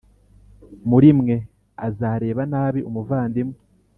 muri mwe, azareba+ nabi umuvandimwe